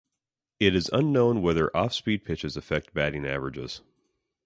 It is unknown whether off-speed pitches affect batting averages.